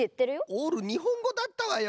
オールにほんごだったわよ